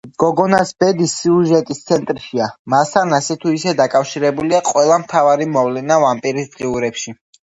გოგონას ბედი სიუჟეტის ცენტრშია, მასთან ასე თუ ისე დაკავშირებულია ყველა მთავარი მოვლენა ვამპირის დღიურებში.